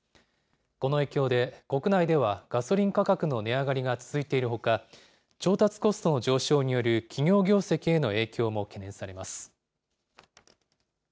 この影響で、国内ではガソリン価格の値上がりが続いているほか、調達コストの上昇による企業業績への影響も懸念されます。